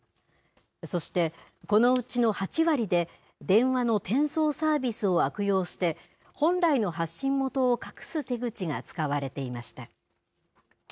そして、このうちの８割で電話の転送サービスを悪用して本来の発信元を隠す手口が使われていました。